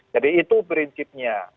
jadi itu prinsipnya